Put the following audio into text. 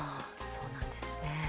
そうなんですね。